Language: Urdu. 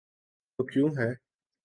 تو کیوں ہے؟